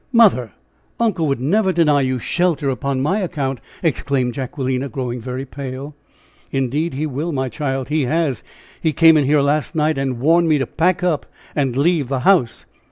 "Mother! uncle would never deny you shelter upon my account!" exclaimed Jacquelina, growing very pale. "Indeed he will, my child; he has; he came in here last night and warned me to pack up and leave the house."